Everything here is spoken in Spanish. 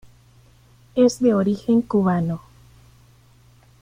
Es de origen cubano.